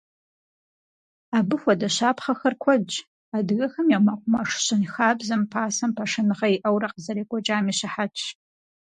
Абы хуэдэ щапхъэхэр куэдщ, адыгэхэм и мэкъумэш щэнхабзэм пасэм пашэныгъэ иӀэурэ къызэрекӀуэкӀам и щыхьэтщ.